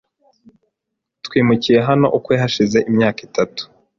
Twimukiye hano ukwe hashize imyaka itatu.